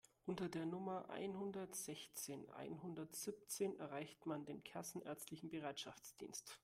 Unter der Nummer einhundertsechzehn einhundertsiebzehn erreicht man den kassenärztlichen Bereitschaftsdienst.